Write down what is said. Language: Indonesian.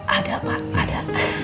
ada pak ada